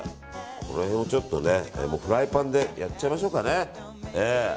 これをフライパンでやっちゃいましょうかね。